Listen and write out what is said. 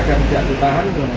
agar tidak ditahan